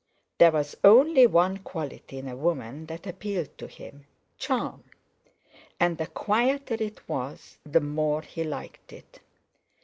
There was only one quality in a woman that appealed to him—charm; and the quieter it was, the more he liked it.